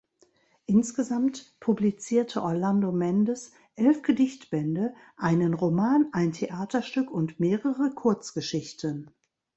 Insgesamt publizierte Orlando Mendes elf Gedichtbände, einen Roman, ein Theaterstück und mehrere Kurzgeschichten.